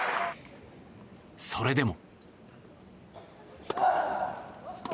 それでも。